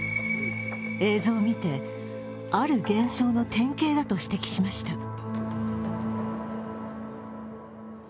映像を見て、ある現象の典型だと指摘しました。